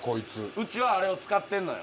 うちはあれを使ってるのよ。